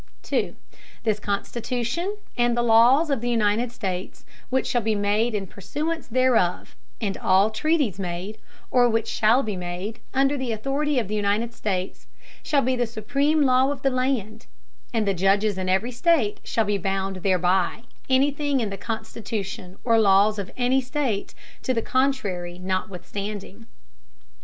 This Constitution, and the Laws of the United States which shall be made in Pursuance thereof; and all Treaties made, or which shall be made, under the Authority of the United States, shall be the supreme Law of the Land; and the Judges in every State shall be bound thereby, any Thing in the Constitution or Laws of any State to the Contrary notwithstanding.